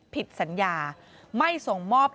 ผิดสัญญาไม่ส่งมอบ